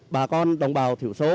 bà con đông bao thủ số